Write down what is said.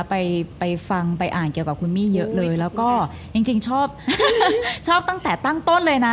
ไปไปฟังไปอ่านเกี่ยวกับคุณมี่เยอะเลยแล้วก็จริงจริงชอบชอบตั้งแต่ตั้งต้นเลยนะ